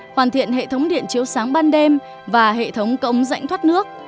hoàn thiện hệ thống điện chiếu sáng ban đêm và hệ thống cống rãnh thoát nước